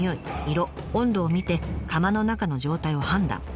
色温度を見て窯の中の状態を判断。